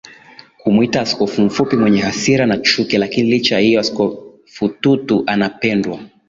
kumuita Askofu mfupi mwenye hasira na chukiLakini licha ya hilo Askofu Tutu anapendwa